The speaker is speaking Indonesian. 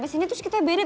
sini terus kita beda